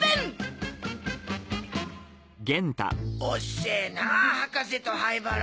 遅ぇなぁ博士と灰原！